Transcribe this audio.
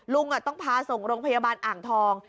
ลุงต้องพาส่งโรงพยาบาลอ่างทอง